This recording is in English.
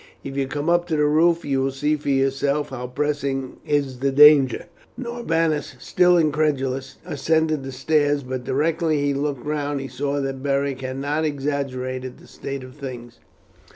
If you come up to the roof you will see for yourself how pressing is the danger." Norbanus, still incredulous, ascended the stairs, but directly he looked round he saw that Beric had not exaggerated the state of things.